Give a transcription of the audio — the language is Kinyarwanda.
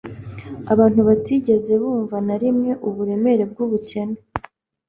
Abantu batigeze butnva na rimwe uburemere bw'ubukene,